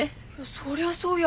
そりゃそうよ